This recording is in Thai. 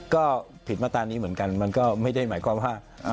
ก็ผิดมาตรานี้เหมือนกันมันก็ไม่ได้หมายความว่า